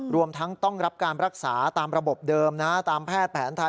รวมทั้งต้องรับการรักษาตามระบบเดิมนะตามแพทย์แผนไทย